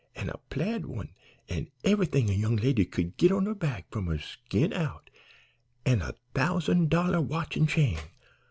an' a plaid one, an' eve'ything a young lady could git on her back from her skin out, an' a thousand dollar watch an' chain.